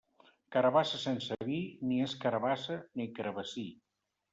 Carabassa sense vi, ni és carabassa ni carabassí.